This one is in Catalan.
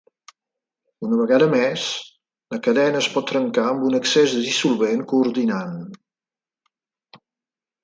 Una vegada més, la cadena es pot trencar amb un excés de dissolvent coordinant.